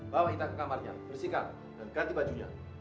bawa ita ke kamarnya bersihkan dan ganti bajunya